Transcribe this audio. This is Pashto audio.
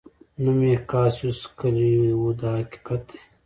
نوم یې کاسیوس کلي و دا حقیقت دی.